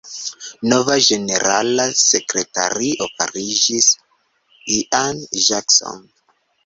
Nova ĝenerala sekretario fariĝis Ian Jackson.